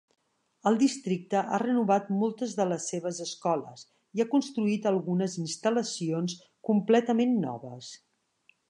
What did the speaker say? El districte ha renovat moltes de les seves escoles i ha construït algunes instal·lacions completament noves.